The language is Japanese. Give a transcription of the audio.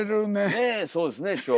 ねえそうですね師匠。